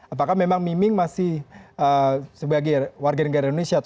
apakah memang miming masih sebagai warga negara indonesia